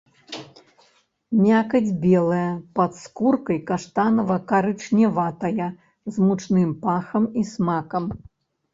Мякаць белая, пад скуркай каштанава-карычневатая, з мучным пахам і смакам.